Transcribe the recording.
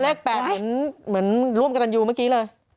เลข๘เหมือนร่วมกับตันยูเมื่อกี้เลย